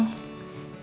dan suara gue hilang